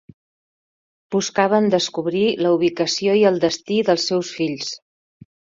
Buscaven descobrir la ubicació i el destí dels seus fills.